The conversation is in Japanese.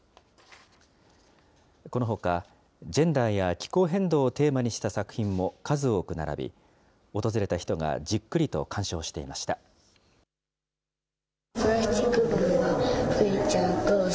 このほか、ジェンダーや気候変動をテーマにした作品も数多く並び、訪れた人がじっくりと鑑賞していました。